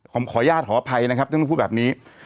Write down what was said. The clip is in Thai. ขออนุญาตขออภัยนะครับท่านต้องพูดแบบนี้